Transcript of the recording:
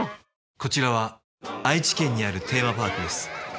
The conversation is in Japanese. こちらは愛知県にあるテーマパークです。